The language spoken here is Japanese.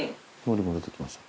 のりも出てきました。